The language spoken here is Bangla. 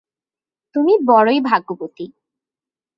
তুমি বড়ই ভাগ্যবতী।